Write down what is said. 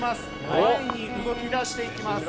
前に動き出していきます。